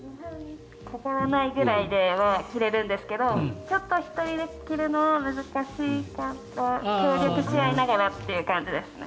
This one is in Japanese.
２分かからないくらいでは着れるんですがちょっと１人で着るのは難しいかなと協力し合いながらという感じですね。